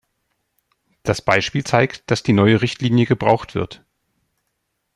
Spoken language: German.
Das Beispiel zeigt, dass die neue Richtlinie gebraucht wird.